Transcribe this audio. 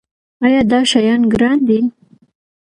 ایا دا شیان ګران دي؟